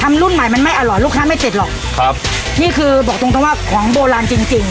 รุ่นใหม่มันไม่อร่อยลูกค้าไม่ติดหรอกครับนี่คือบอกตรงตรงว่าของโบราณจริงจริง